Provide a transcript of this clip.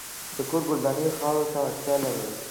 د کور ګلداني خاورې ته اړتیا لرله.